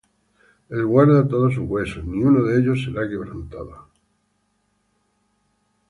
El guarda todos sus huesos; Ni uno de ellos será quebrantado.